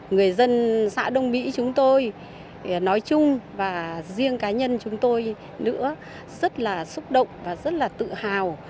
người dân xã đông mỹ chúng tôi nói chung và riêng cá nhân chúng tôi nữa rất là xúc động và rất là tự hào